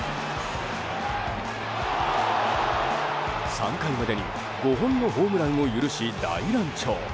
３回までに５本のホームランを許し大乱調。